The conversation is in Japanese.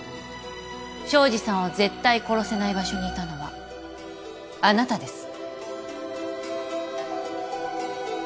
庄司さんを絶対殺せない場所にいたのはあなたです。